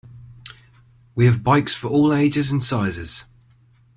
We have bikes for all ages and sizes.